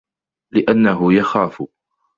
لِأَنَّهُ يَخَافُ